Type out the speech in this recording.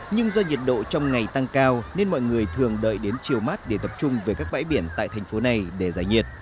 nhưng do nhiệt độ trong ngày tăng cao nên mọi người thường đợi đến chiều mắt để tập trung về các bãi biển tại thành phố này để giải nhiệt